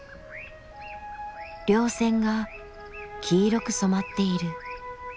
稜線が黄色く染まっている。